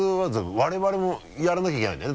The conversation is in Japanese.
我々もやらなきゃいけないんだよね？